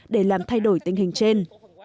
để làm thay đổi tình hình trên